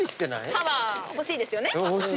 パワー欲しいですよね？